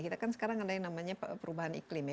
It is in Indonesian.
kita kan sekarang ada yang namanya perubahan iklim ya